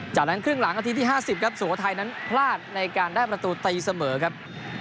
จากนั้นครึ่งหลังนาทีที่๕๐ครับสุโขทัยนั้นพลาดในการได้ประตูตีเสมอครับ